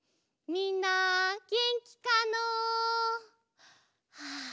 みんなげんきかの？はあ